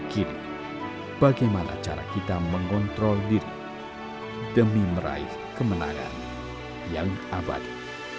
kini bagaimana cara kita mengontrol diri demi meraih kemenangan yang abadi